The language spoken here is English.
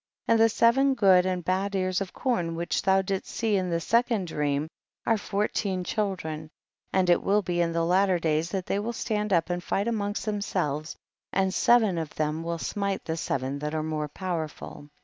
22. And the seven good and bad ears of corn which thou didst see in the second dream are fourteen chil dren, and it will be in the latter days that they will stand up and fight amongst themselves, and seven of them will smite the seven that are more powerful.